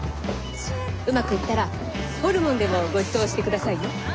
うまくいったらホルモンでもごちそうして下さいね。